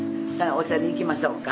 お茶にいきましょうか。